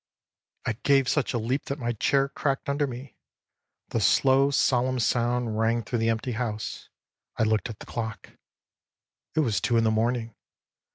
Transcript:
âI gave such a leap that my chair cracked under me. The slow, solemn sound rang through the empty house. I looked at the clock. âIt was two in the morning.